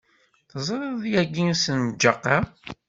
Teẓriḍ yagi ssenǧaq-a?